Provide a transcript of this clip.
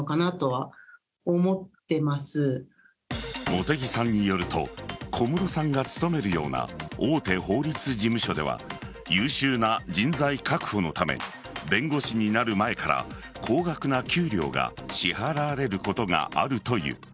茂木さんによると小室さんが勤めるような大手法律事務所では優秀な人材確保のため弁護士になる前から高額な給料が支払われることがあるという。